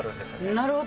なるほど。